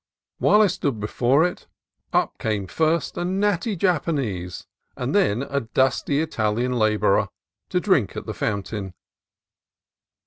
While I stood before it, up came first a natty Jap anese and then a dusty Italian laborer, to drink at the fountain.